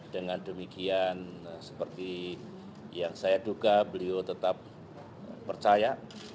dengan demikian seperti yang saya duga beliau tetap percaya